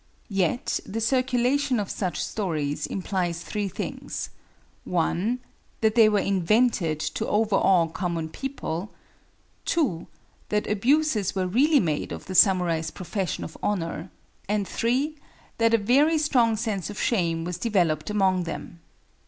Yet, the circulation of such stories implies three things; (1) that they were invented to overawe common people; (2) that abuses were really made of the samurai's profession of honor; and (3) that a very strong sense of shame was developed among them.